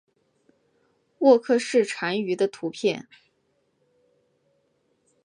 沃克氏蟾鱼的图片